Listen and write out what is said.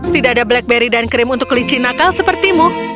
tidak ada blackberry dan krim untuk kelinci nakal sepertimu